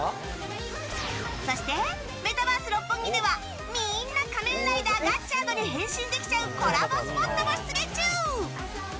そして、メタバース六本木ではみーんな仮面ライダーガッチャードに変身できちゃうコラボスポットも出現中！